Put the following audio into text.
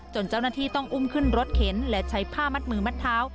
เจ้าหน้าที่ต้องอุ้มขึ้นรถเข็นและใช้ผ้ามัดมือมัดเท้า